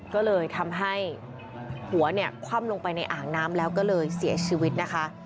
ก็เลยทำให้หัวเนี่ยคว่ำลงไปในอ่างน้ำแล้วก็เลยเสียชีวิตนะคะ